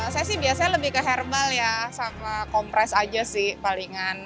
saya sih biasanya lebih ke herbal ya sama kompres aja sih palingan